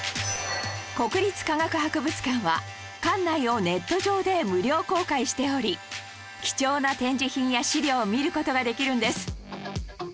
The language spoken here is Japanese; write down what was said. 国立科学博物館は館内をネット上で無料公開しており貴重な展示品や資料を見る事ができるんです